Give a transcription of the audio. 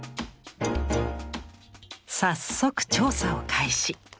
早速調査を開始。